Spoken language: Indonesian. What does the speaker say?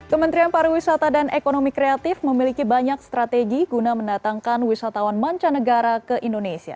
kementerian pariwisata dan ekonomi kreatif memiliki banyak strategi guna mendatangkan wisatawan mancanegara ke indonesia